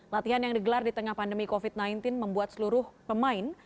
latihan yang digelar di tengah pandemi covid sembilan belas membuat seluruh pemain